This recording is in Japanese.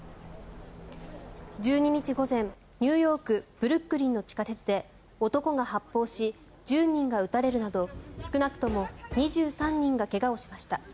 １２日午前ニューヨーク・ブルックリンの地下鉄で男が発砲し１０人が撃たれるなど少なくとも２３人が怪我をしました。